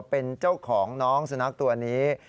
เป็นเจ้าของน้องสุนัขตัวนี้